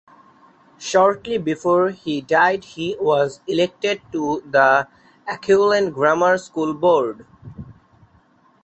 Shortly before he died he was elected to the Auckland Grammar School Board.